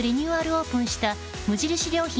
オープンした無印良品